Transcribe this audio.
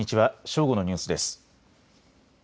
正午のニュースです。